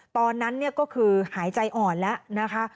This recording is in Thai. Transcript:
ตอนนั้นก็คือหายใจอ่อนแล้วนะคะ